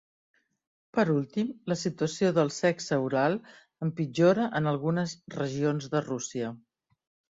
Per últim, la situació del sexe oral empitjora en algunes regions de Rússia.